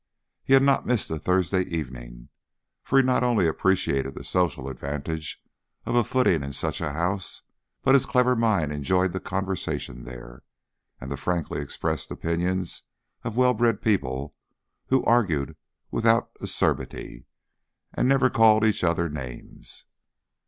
He had not missed a Thursday evening, for he not only appreciated the social advantage of a footing in such a house, but his clever mind enjoyed the conversation there, and the frankly expressed opinions of well bred people who argued without acerbity and never called each other names.